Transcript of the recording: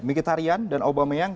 mkhitaryan dan aubameyang